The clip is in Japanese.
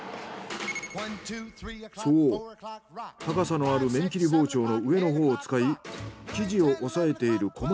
そう高さのある麺切り包丁の上のほうを使い生地を押さえているこま